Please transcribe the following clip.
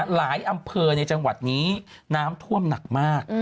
อำเภอในจังหวัดนี้น้ำท่วมหนักมาก